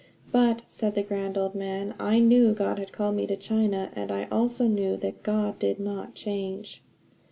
But, said the grand old man: "I knew God had called me to China, and I also knew that God did not change.